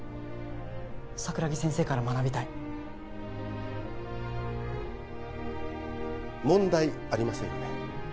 桜木先生から学びたい問題ありませんよね？